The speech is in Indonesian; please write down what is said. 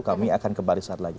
kami akan kembali saat lagi